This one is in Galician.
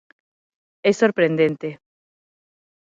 É sorprendente.